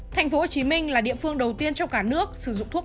thành phố hồ chí minh là địa phương đầu tiên trong cả nước sử dụng thuốc